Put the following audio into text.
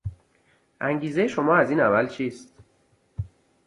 انگیزه شما از این عمل چیست؟